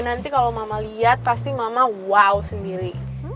nanti kalau mama lihat pasti mama wow sendiri